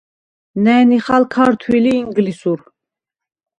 ნა̈ჲ ნიხალ ქართვილ ი ინგლისურ.